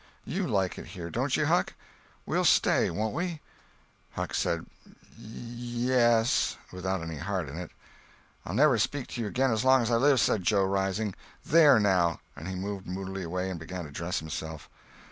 You like it here, don't you, Huck? We'll stay, won't we?" Huck said, "Y e s"—without any heart in it. "I'll never speak to you again as long as I live," said Joe, rising. "There now!" And he moved moodily away and began to dress himself.